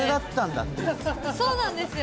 そうなんですよ。